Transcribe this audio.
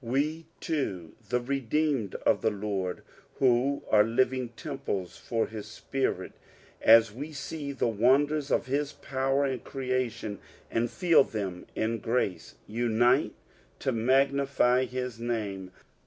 We too, the redeemed of flie Lord, who are living temples for hia Spirit, as we see the wonders of his power in creation, and feel them in grace, onite to magnify hia name.